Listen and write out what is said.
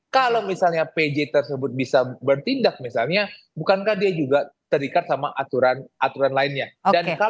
kalau misalnya pj tersebut bisa bertindak misalnya bukankah dia juga terikat sama aturan aturan lainnya